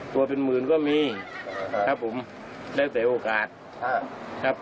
ตัวเป็นหมื่นก็มีครับผมได้แต่โอกาสครับ